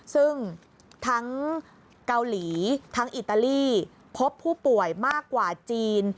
ซึ่งทั้งเกาหลีทั้งอิตาลีพบผู้ป่วยมากกว่าจีน